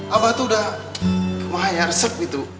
abah tuh udah kemahannya resep gitu